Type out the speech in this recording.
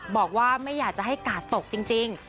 บอกว่าไม่อยากจะให้กาดตกจริง